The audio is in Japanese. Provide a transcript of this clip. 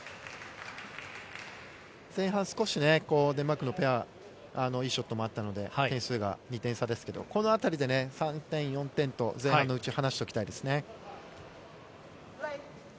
前半少し、デンマークのペア、いいショットもあったので、点数が２点差ですけど、このあたりで３点、４点と前半のうちに離しておきたいですね。